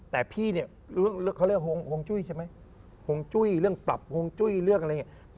แต่พี่เนี่ยเขาเรียกฮวงจุ้ยใช่ไหมฮงจุ้ยเรื่องปรับฮวงจุ้ยเรื่องอะไรอย่างนี้